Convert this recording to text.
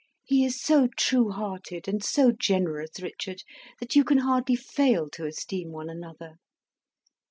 He is so true hearted and so generous, Richard, that you can hardly fail to esteem one another.